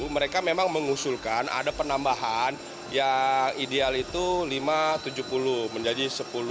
mereka memang mengusulkan ada penambahan yang ideal itu lima ratus tujuh puluh menjadi sepuluh